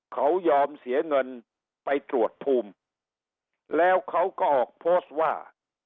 เขายอมเสียเงินไปตรวจภูมิแล้วเขาก็ออกโพสต์ว่า